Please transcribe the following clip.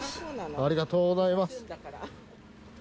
ありがとうございます。